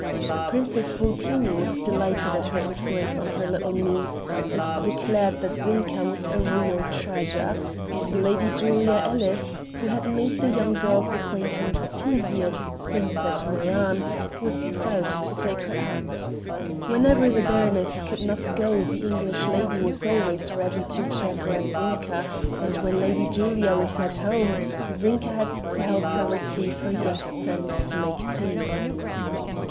Princess Vulpini was delighted at her influence on her little niece and declared that Zinka was a real treasure; and Lady Julia Ellis, who had made the young girl's acquaintance two years since at Meran, was proud to take her out. Whenever the baroness could not go the English lady was always ready to chaperon Zinka, and when Lady Julia was 'at home' Zinka had to help her to receive her guests and to make tea.